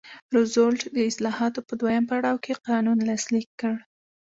روزولټ د اصلاحاتو په دویم پړاو کې قانون لاسلیک کړ.